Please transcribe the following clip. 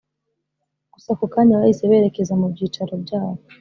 gusa ako kanya bahise berekeza mubyicaro byabo